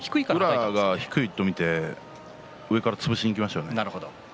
宇良が低いと見て上から潰しにいきましたね。